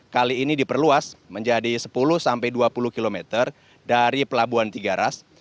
kali ini diperluas menjadi sepuluh sampai dua puluh kilometer dari pelabuhan tigaras